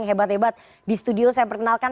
hebat hebat di studio saya perkenalkan